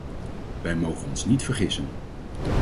Wij mogen ons niet vergissen.